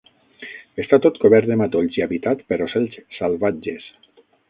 Està tot cobert de matolls i habitat per ocells salvatges.